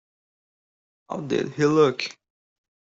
How did he look?